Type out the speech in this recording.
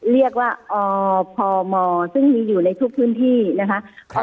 เรียกว่าอพมซึ่งมีอยู่ในทุกพื้นที่นะคะ